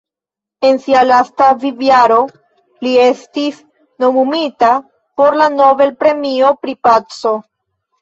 En sia lasta vivjaro li estis nomumita por la Nobel-premio pri paco.